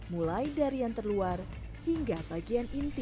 mulai dari yang terluar hingga bagian inti